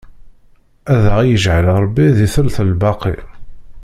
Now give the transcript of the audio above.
Ad aɣ-iǧɛel Ṛebbi di telt lbaqi!